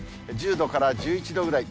１０度から１１度くらい。